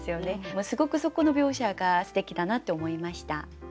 すごくそこの描写がすてきだなって思いました。